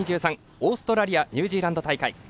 オーストラリア・ニュージーランド大会。